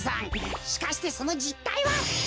しかしてそのじったいは！